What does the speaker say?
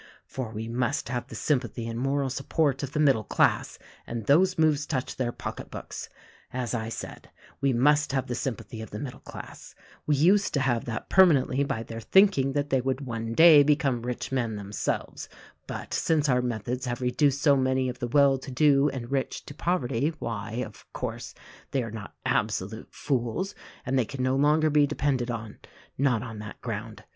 For we must have the sympathy and moral support of the middle class; and those moves touched their pocketbooks. "As I said, we must have the sympathy of the middle class — we used to have that permanently by their thinking that they would one day become rich men themselves; but since our methods have reduced so many of the well to do and rich to poverty, why, of course, they are not absolute fools, and they can no longer be depended on, not on that ground.